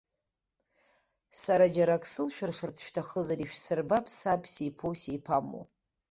Сара џьара акы сылшәыршарц шәҭахызар, ишәсырбап саб сиԥоу сиԥаму!